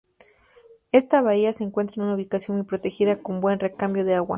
Esta bahía se encuentra en una ubicación muy protegida con buen recambio de agua.